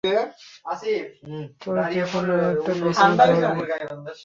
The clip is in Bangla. তোর যেকোন একটা বেছে নিতে হবে।